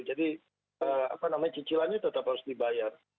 jadi cicilannya tetap harus dibayar